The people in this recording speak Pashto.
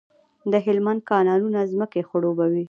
د هلمند کانالونه ځمکې خړوبوي.